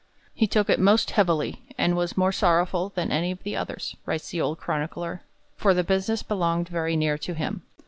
'He took it most heavily and was more sorrowful than any of the others,' writes the old chronicler, 'for the business belonged very near to him.'